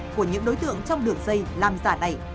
của những đối tượng trong đường dây làm giả này